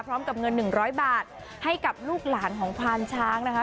พร้อมกับเงิน๑๐๐บาทให้กับลูกหลานของควานช้างนะคะ